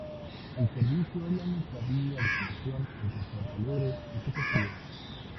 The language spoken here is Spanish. El servicio es la única vía de conexión entre Puerto Alegre y Puerto Frías.